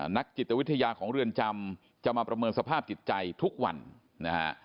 นักจิตวิทยาของเรือนจำจะมาประเมินสภาพจิตใจทุกวันนะฮะ